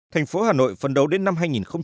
thành phố hà nội phân đấu đến năm hai nghìn hai mươi